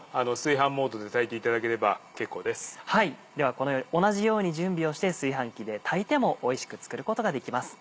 このように同じように準備をして炊飯器で炊いてもおいしく作ることができます。